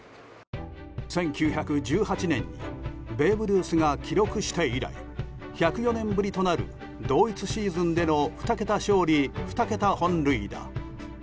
１９１８年にベーブ・ルースが記録して以来１０４年ぶりとなる同一シーズンでの２桁勝利２桁本塁打。